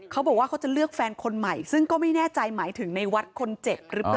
เขาบอกว่าเขาจะเลือกแฟนคนใหม่ซึ่งก็ไม่แน่ใจหมายถึงในวัดคนเจ็บหรือเปล่า